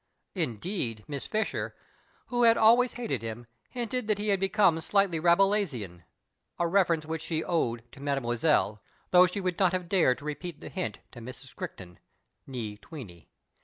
Indeed, Miss Fisher, who had always hated him, hinted that he had become slightly Rabelaisian — a reference whieh she owed to mademoiselle — though she would not have dared to repeat the hint to Mrs. Criehton (///f Tweeny).